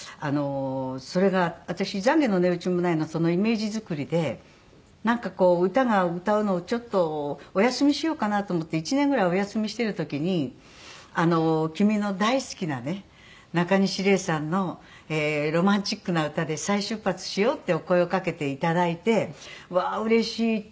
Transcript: それが私『ざんげの値打ちもない』のそのイメージ作りでなんかこう歌が歌うのをちょっとお休みしようかなと思って１年ぐらいお休みしてる時に「君の大好きなねなかにし礼さんのロマンチックな歌で再出発しよう」ってお声をかけて頂いてわあーうれしい。